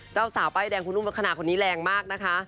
เจ้าสาวป้ายแดงคุณอุ้มลักษณะคนนี้แรงมากนะคะ